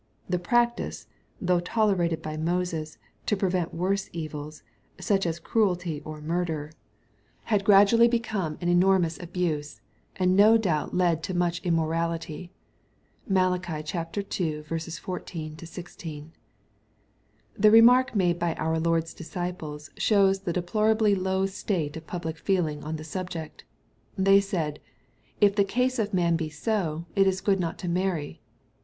The practice, though tolerated by Moses, to prevent worse evils — such as cruelty or murder — 234 EXPOSITORY THOUGHTS. had gradually become an enormous abuse^ and no doubt led to much immorality. (Malachi ii 14 — ^16.) The remark made by our Lord's disciples shows the deplor ably low state of public feeling on the subject. They said, ^^ If the case of the man be so, it is not good to marry."